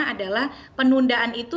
adalah penundaan itu